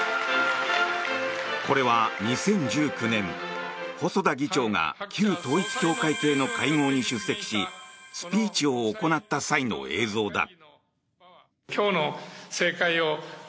これは２０１９年細田議長が旧統一教会系の会合に出席しスピーチを行った際の映像だ。